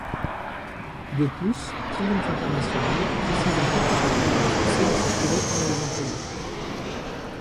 De plus, Triumph International précisa qu’aucun travailleur forcé ne se trouvait parmi les employés.